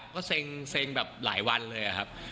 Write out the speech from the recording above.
ก็เซ็งแบบหลายวันเลยครับ